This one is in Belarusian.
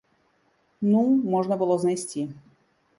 Ну, можна было знайсці.